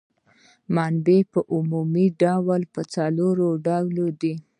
منابع په عمومي ډول په څلور ډوله دي.